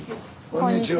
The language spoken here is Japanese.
こんにちは。